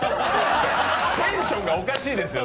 テンションがおかしいですよ。